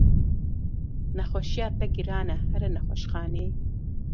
Nexweşiya te giran e here nexweşxaneyê.